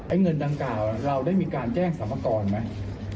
เงินดังกล่าวเราได้มีการแจ้งสรรพากรไหม